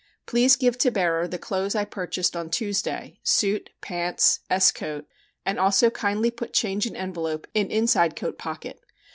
Please give to bearer the clothes I purchased on Tuesday suit pants S. coat, and also kindly put change in envelope in inside coat pocket.